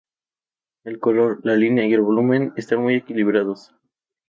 El color, la línea y el volumen están muy equilibrados.